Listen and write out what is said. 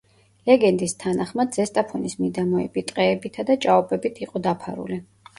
ლეგენდის თანახმად ზესტაფონის მიდამოები ტყეებითა და ჭაობებით იყო დაფარული.